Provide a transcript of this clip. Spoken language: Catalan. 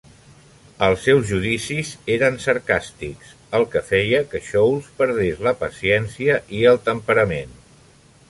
Els seus judicis eren sarcàstics, el que feia que Sholes perdés la paciència i el temperament.